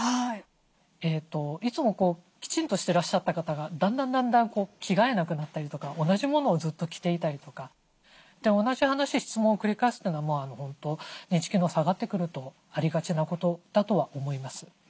いつもきちんとしてらっしゃった方がだんだん着替えなくなったりとか同じものをずっと着ていたりとか同じ話質問を繰り返すというのは本当認知機能下がってくるとありがちなことだとは思います。